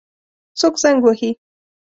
څوک زنګ وهي؟